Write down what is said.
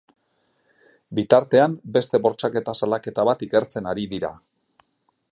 Bitartean, beste bortxaketa salaketa bat ikertzen ari dira.